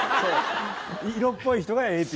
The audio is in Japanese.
色っぽい人がＡＰ。